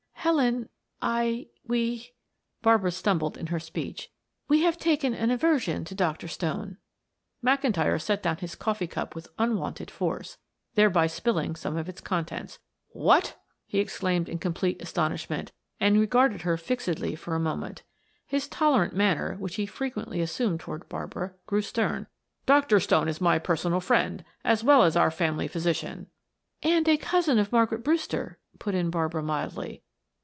"Helen I we" Barbara stumbled in her speech. "We have taken an aversion to Dr. Stone." McIntyre set down his coffee cup with unwonted force, thereby spilling some of its contents. "What!" he exclaimed in complete astonishment, and regarded her fixedly for a moment. His tolerant manner, which he frequently assumed toward Barbara, grew stern. "Dr. Stone is my personal friend, as well as our family physician " "And a cousin of Margaret Brewster," put in Barbara mildly.